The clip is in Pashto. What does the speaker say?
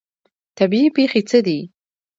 طبیعي پیښې څه دي؟